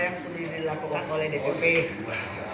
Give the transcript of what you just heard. yang kedua adalah kualisi kebangkitan indonesia raya tingkat nasional